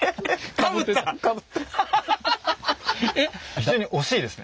非常に惜しいですね。